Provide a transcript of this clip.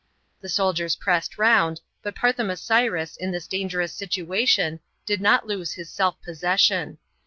The soldi, rs preyed round, but Parthomasiris, in this dangerous situation, did not lose his self possession.